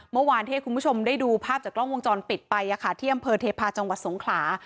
เมื่อวานที่ให้คุณผู้ชมได้ดูภาพจากกล้องวงจรปิดไปที่อำเภอเทพาะจังหวัดสงขลา